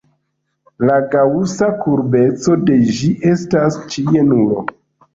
La gaŭsa kurbeco de ĝi estas ĉie nulo.